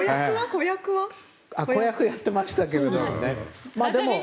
子役はやってましたけど。